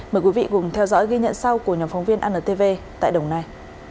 mời quý vị cùng theo dõi ghi nhận sau của nhóm phóng viên antv tại đồng nai